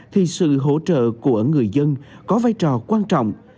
thì sự hỗ trợ của người dân có vai trò quan trọng